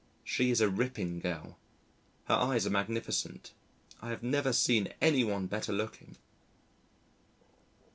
She is a ripping girl. Her eyes are magnificent. I have never seen any one better looking.